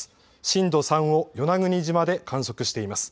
震度３を与那国島で観測しています。